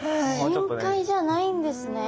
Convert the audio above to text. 深海じゃないんですね。